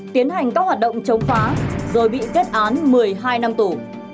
tiến hành các hoạt động chống phá rồi bị kết án một mươi hai năm tù